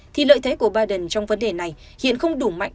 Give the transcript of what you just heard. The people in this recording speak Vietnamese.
thì lợi thế của biden trong vấn đề này hiện không đủ mạnh